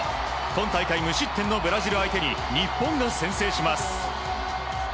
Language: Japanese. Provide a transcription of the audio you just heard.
今大会無失点のブラジル相手に日本が先制します。